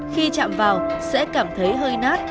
khi chạm vào sẽ cảm thấy hơi nát